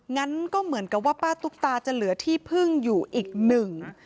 งั้นก็เหมือนกับว่าป้าตุ๊กตาจะเหลือที่พึ่งอยู่อีกหนึ่ง